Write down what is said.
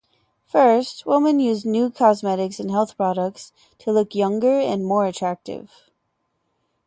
First, women use new cosmetics and health products to look younger and more attractive.